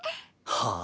はあ？